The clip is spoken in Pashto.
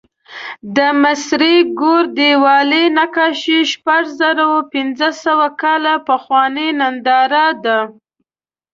د مصري ګور دیوالي نقاشي شپږزرهپینځهسوه کاله پخوانۍ ننداره ده.